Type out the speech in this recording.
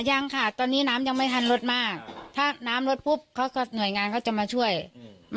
ยังค่ะตอนนี้น้ำยังไม่ทันลดมากถ้าน้ำลดปุ๊บเขาก็หน่วยงานเขาจะมาช่วยอืม